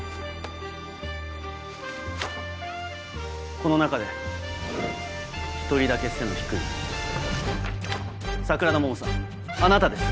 この中で１人だけ背の低い桜田桃さんあなたです。